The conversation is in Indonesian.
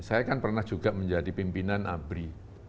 saya kan pernah juga menjadi pimpinan abri